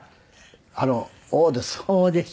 あの「を」です。